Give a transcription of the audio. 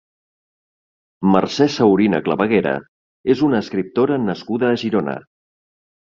Mercè Saurina Clavaguera és una escriptora nascuda a Girona.